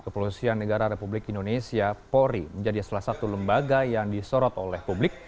kepolisian negara republik indonesia polri menjadi salah satu lembaga yang disorot oleh publik